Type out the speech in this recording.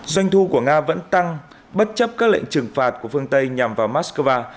doanh thu của nga vẫn tăng bất chấp các lệnh trừng phạt của phương tây nhằm vào moscow